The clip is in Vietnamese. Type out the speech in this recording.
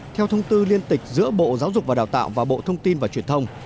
theo thông tư liên tịch giữa bộ giáo dục và đào tạo và bộ thông tin và truyền thông